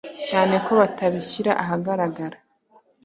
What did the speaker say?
cyane ko batabishyira ahagaragara